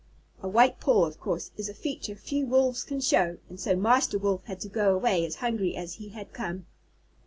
A white paw, of course, is a feature few Wolves can show, and so Master Wolf had to go away as hungry as he had come.